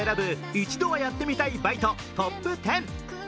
一度はやってみたいバイトＴＯＰ１０。